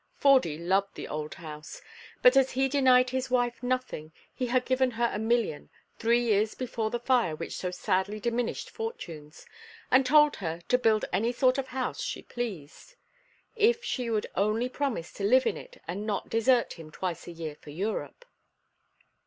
Fordy loved the old house, but as he denied his wife nothing he had given her a million, three years before the fire which so sadly diminished fortunes, and told her to build any sort of house she pleased; if she would only promise to live in it and not desert him twice a year for Europe.